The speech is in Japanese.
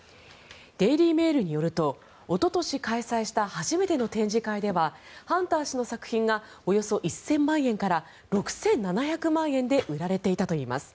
デイリー・メールによるとおととし開催した初めての展示会ではハンター氏の作品がおよそ１０００万円から６７００万円で売られていたといいます。